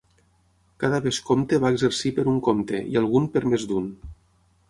Cada vescomte va exercir per un comte i algun per més d'un.